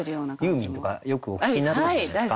ユーミンとかよくお聴きになってたんじゃないですか？